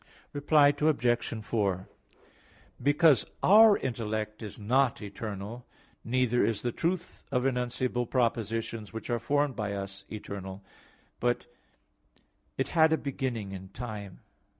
Reply Obj. 4: Because our intellect is not eternal, neither is the truth of enunciable propositions which are formed by us, eternal, but it had a beginning in time.